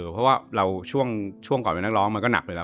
เพราะว่าเราช่วงก่อนเป็นนักร้องมันก็หนักไปแล้ว